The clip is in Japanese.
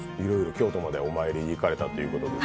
京都までお参りに行かれたという。